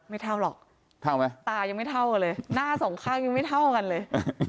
เท่าหรอกเท่าไหมตายังไม่เท่ากันเลยหน้าสองข้างยังไม่เท่ากันเลย